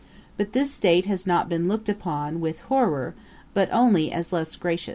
But this state has not been looked upon with horrour, but only as less gracious.